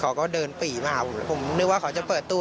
เขาก็เดินปี่มาหาผมผมนึกว่าเขาจะเปิดตู้